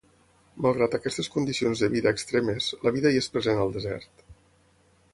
Malgrat aquestes condicions de vida extremes, la vida hi és present al desert.